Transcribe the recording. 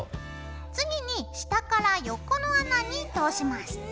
次に下から横の穴に通します。